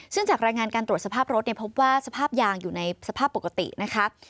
ซึ่งจากรายงานการตรวจสภาพรถเนี่ยพบว่าสภาพยางอยู่ในสภาพปกตินะคะ